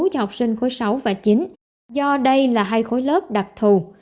cho học sinh khối sáu và chín do đây là hai khối lớp đặc thù